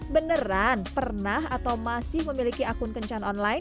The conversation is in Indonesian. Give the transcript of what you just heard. beneran pernah atau masih memiliki akun kencan online